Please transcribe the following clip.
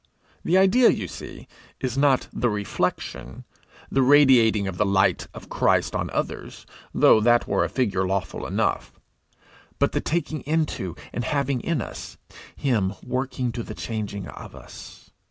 The idea, you see, is not the reflection, the radiating of the light of Christ on others, though that were a figure lawful enough; but the taking into, and having in us, him working to the changing of us.